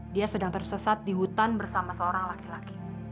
dia sedang tersesat di hutan bersama seorang laki laki